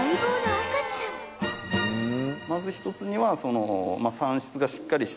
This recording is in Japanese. まず一つには。